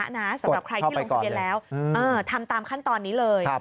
กดเข้าไปก่อนเลยสำหรับใครที่ลงทะเบียนแล้วทำตามขั้นตอนนี้เลย